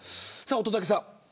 乙武さん。